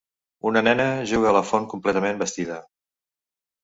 Una nena juga a la font completament vestida.